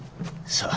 さあ。